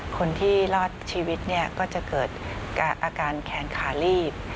คนที่รอดชีวิตเนี่ยก็จะเกิดอาการแขนขาลีบ